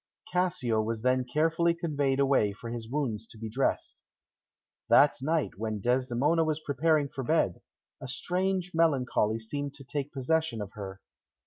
Cassio was then carefully conveyed away for his wounds to be dressed. That night, when Desdemona was preparing for bed, a strange melancholy seemed to take possession of her.